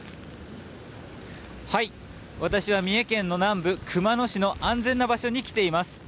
私は三重県の南部熊野市の安全な場所に来ています。